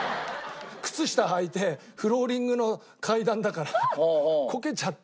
靴下はいてフローリングの階段だからこけちゃって。